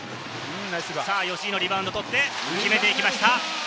吉井のリバウンドをとって決めていきました。